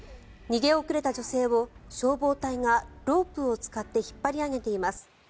逃げ遅れた女性を消防隊がロープを使って引っ張り上げています。